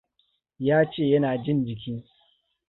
Ya ce yana jin jiki.